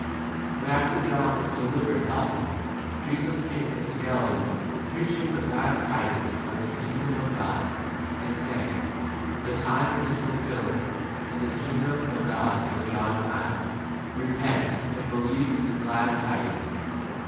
14 But after John was delivered up, Jesus came into Galilee preach ing the glad tidings of the king 15 dom of God, and saying, The time is fulfilled and the kingdom of God has drawn nigh ; repent and 16 believe in the glad tidings.